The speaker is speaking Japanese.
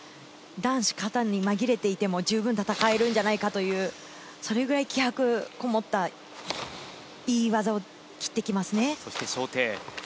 男子・形に紛れていても、じゅうぶん戦えるんじゃないかという、そのくらい気迫のこもったいい技を切ってきますね。